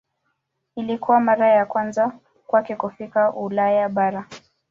Ilikuwa mara ya kwanza kwake kufika Ulaya bara.